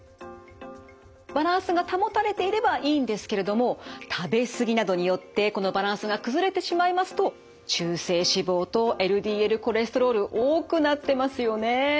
バランスが保たれていればいいんですけれども食べ過ぎなどによってこのバランスが崩れてしまいますと中性脂肪とＬＤＬコレステロール多くなってますよね。